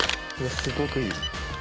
すごくいい。